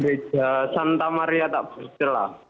gereja santa maria takberjela